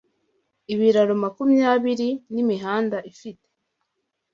ibiraro makumyabiri n’ imihanda ifite